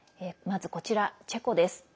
まず、こちら、チェコです。